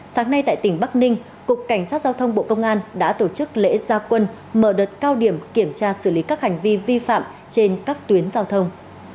sáng nay tại tỉnh bắc ninh cục cảnh sát giao thông bộ công an đã tổ chức lễ gia quân mở đợt cao điểm kiểm tra xử lý các hành vi vi phạm trên các tuyến giao thông